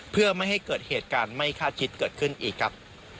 เพื่อไม่ให้เกิดเหตุการณ์ไม่คาดคิดเกิดขึ้นอีกครับ